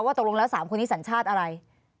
ตกลงแล้ว๓คนนี้สัญชาติอะไร